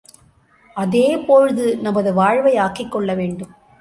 அதேபோழ்து நமது வாழ்வை ஆக்கிக்கொள்ள வேண்டும்.